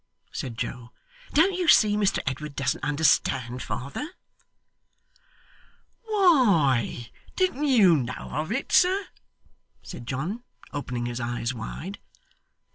said Joe. 'Don't you see Mr Edward doesn't understand, father?' 'Why, didn't you know of it, sir?' said John, opening his eyes wide.